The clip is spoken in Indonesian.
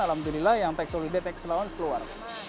alhamdulillah yang tax solide tax allowance keluar